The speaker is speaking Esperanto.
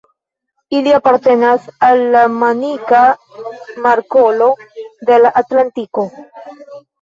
Ili apartenas al la Manika Markolo de la Atlantiko.